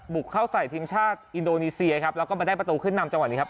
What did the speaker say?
เข้าใส่ทีมชาติอินโดนีเซียครับแล้วก็มาได้ประตูขึ้นนำจังหวะนี้ครับ